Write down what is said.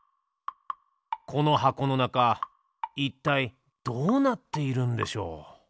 この箱のなかいったいどうなっているんでしょう？